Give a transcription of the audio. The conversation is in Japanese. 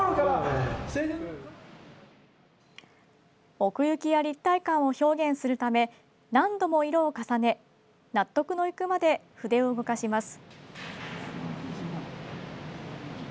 奥行きや立体感を表現するため何度も色を重ね納得のいくまで筆を動かします。